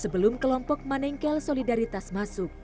sebelum kelompok manengkel solidaritas masuk